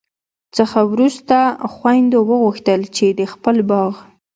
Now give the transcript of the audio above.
څخه وروسته خویندو وغوښتل چي د خپل باغ